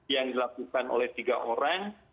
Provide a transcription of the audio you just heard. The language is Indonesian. yang dilakukan oleh tiga orang